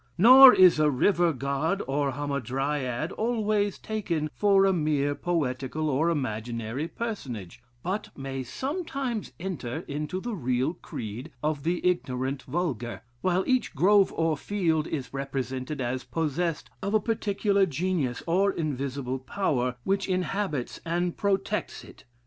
Nor is a river god or hamadryad always taken for a mere poetical or imaginary personage, but may sometimes enter into the real creed of the ignorant vulgar; while each grove or field is represented as possessed of a particular genius or invisible power which inhabits and protects, it.